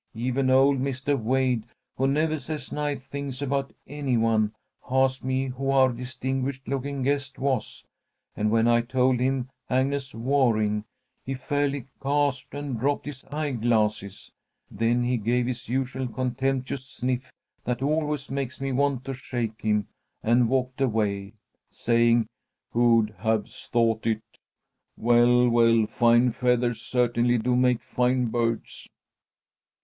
Even old Mr. Wade, who never says nice things about any one, asked me who our distinguished looking guest was, and, when I told him Agnes Waring, he fairly gasped and dropped his eye glasses. Then he gave his usual contemptuous sniff that always makes me want to shake him, and walked away, saying: 'Who'd have thought it! Well, well, fine feathers certainly do make fine birds!'"